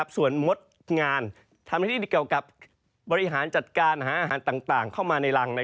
ส่วนงดงานทำหน้าที่เกี่ยวกับบริหารจัดการหาอาหารต่างเข้ามาในรัง